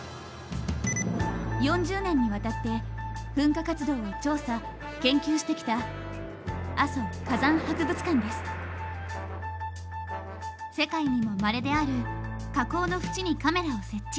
４０年にわたって噴火活動を調査・研究してきた世界にもまれである火口の縁にカメラを設置。